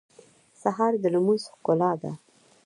سهار د لمونځ ښکلا ده.